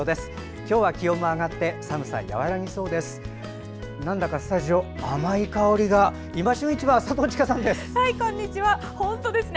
今日は気温も上がって寒さ和らぎそうですね。